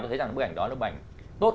tôi thấy rằng bức ảnh đó là bức ảnh tốt